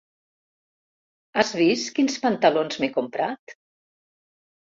Has vist quins pantalons m'he comprat?